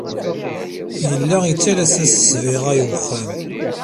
Yella yettales-as ssbiɣa i wexxam.